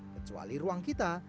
kecuali ruang kita